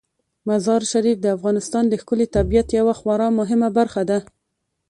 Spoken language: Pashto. مزارشریف د افغانستان د ښکلي طبیعت یوه خورا مهمه برخه ده.